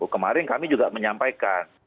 kemarin kami juga menyampaikan